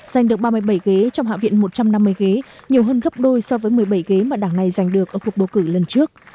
giành được ba mươi bảy ghế trong hạ viện một trăm năm mươi ghế nhiều hơn gấp đôi so với một mươi bảy ghế mà đảng này giành được ở cuộc bầu cử lần trước